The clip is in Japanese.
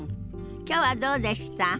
きょうはどうでした？